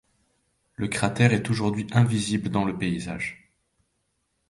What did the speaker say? Le cratère est aujourd'hui invisible dans le paysage.